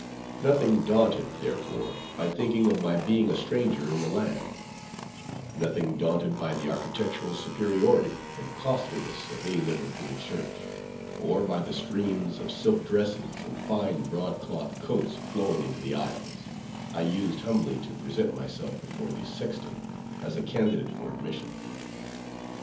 Nothing daunted, therefore, by thinking of my being a stranger in the land; nothing daunted by the architectural superiority and costliness of any Liverpool church; or by the streams of silk dresses and fine broadcloth coats flowing into the aisles, I used humbly to present myself before the sexton, as a candidate for admission.